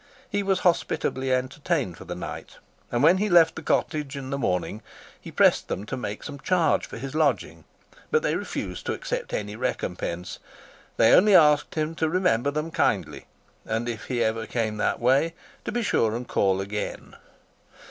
He was hospitably entertained for the night, and when he left the cottage in the morning, he pressed them to make some charge for his lodging, but they refused to accept any recompense. They only asked him to remember them kindly, and if he ever came that way, to be sure and call again.